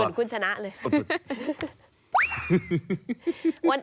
เหมือนคุณชนะเลย